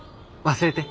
忘れて。